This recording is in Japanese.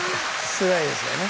すごいですよね。